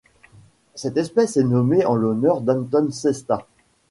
Cette espèce est nommée en l'honneur d'Anton Sestas.